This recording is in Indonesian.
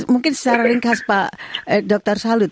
mungkin secara ringkas pak dokter salut